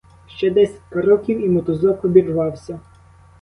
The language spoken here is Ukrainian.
Ще десять кроків, і мотузок обірвався.